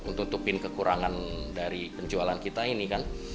menutupin kekurangan dari penjualan kita ini kan